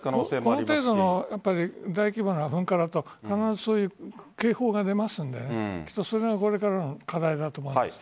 この程度の大規模な噴火だと必ずそういう警報が出ますのでそれがこれからの課題だと思うんです。